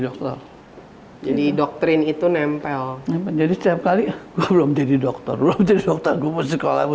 dokter jadi doktrin itu nempel menjadi setiap kali belum jadi dokter lu bisa otak musik oleh